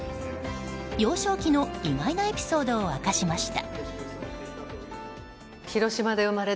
幼少期の意外なエピソードを明かしました。